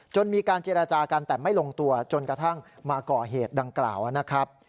มีการเจรจากันแต่ไม่ลงตัวจนกระทั่งมาก่อเหตุดังกล่าวนะครับ